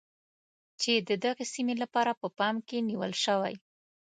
چې د دغې سیمې لپاره په پام کې نیول شوی.